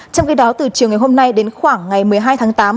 trong khi đó từ chiều ngày hôm nay đến khoảng ngày một mươi hai tháng tám